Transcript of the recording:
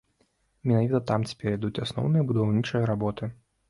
Менавіта там цяпер ідуць асноўныя будаўнічыя работы.